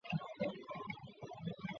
皮伊米克朗。